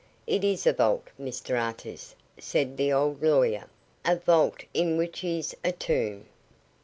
"It is a vault, Mr Artis," said the old lawyer "a vault in which is a tomb.